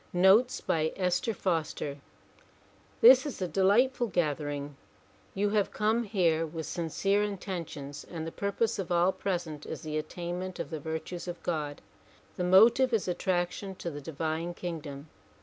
Notes by Esther Foster THIS is a delightful gathering ; you have come here with sincere intentions and the purpose of all present is the attainment of the virtues of God. The motive is attraction to the divine kingdom.